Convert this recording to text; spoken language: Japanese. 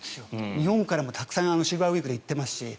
日本からもたくさんシルバーウィークで行ってますし。